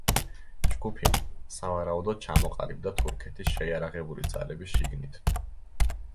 ჯგუფი, სავარაუდოდ, ჩამოყალიბდა თურქეთის შეიარაღებული ძალების შიგნით.